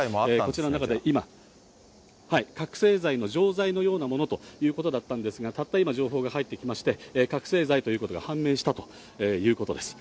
こちらの中で今、覚醒剤の錠剤のようなもの、たった今、情報が入ってきまして、覚醒剤ということが判明したということです。